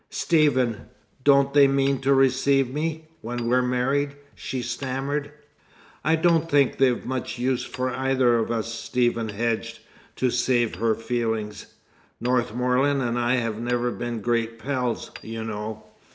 "Stephen! Don't they mean to receive me, when we're married?" she stammered. "I don't think they've much use for either of us," Stephen hedged, to save her feelings. "Northmorland and I have never been great pals, you know.